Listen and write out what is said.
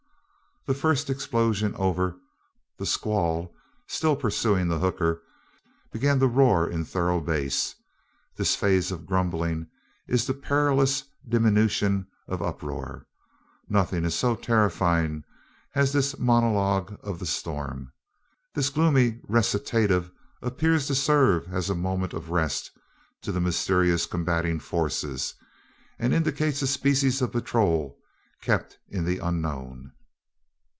The first explosion over, the squall, still pursuing the hooker, began to roar in thorough bass. This phase of grumbling is a perilous diminution of uproar. Nothing is so terrifying as this monologue of the storm. This gloomy recitative appears to serve as a moment of rest to the mysterious combating forces, and indicates a species of patrol kept in the unknown.